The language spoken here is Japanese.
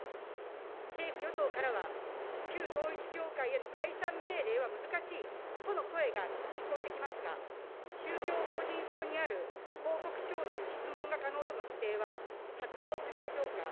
政府・与党からは旧統一教会への解散命令は難しいとの声が聞こえてきますが、宗教法人法にある、報告徴収・質問が可能との規定は発動済みでしょうか。